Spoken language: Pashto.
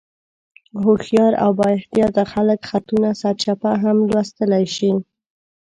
هوښیار او بااحتیاطه خلک خطونه سرچپه هم لوستلی شي.